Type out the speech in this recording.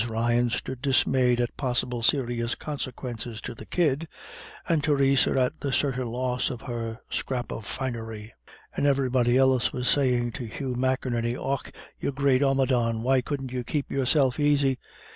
Ryan stood dismayed at possible serious consequences to the kid, and Theresa at the certain loss of her scrap of finery; and everybody else was saying to Hugh McInerney: "Och, you great omadhawn, why couldn't you keep yourself aisy?